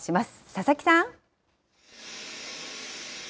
佐々木さん。